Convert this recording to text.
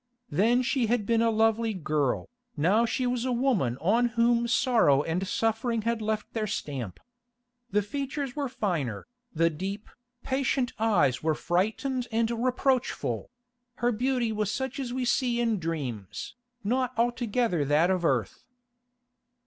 Then she had been a lovely girl, now she was a woman on whom sorrow and suffering had left their stamp. The features were finer, the deep, patient eyes were frightened and reproachful; her beauty was such as we see in dreams, not altogether that of earth.